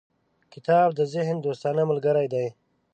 • کتاب د ذهن دوستانه ملګری دی.